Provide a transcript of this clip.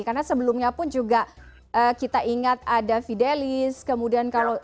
karena sebelumnya pun juga kita ingat ada fidelis kemudian kalau